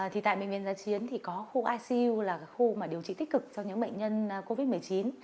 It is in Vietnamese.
thì tại bệnh viện giá chiến thì có khu icu là khu điều trị tích cực cho những bệnh nhân covid một mươi chín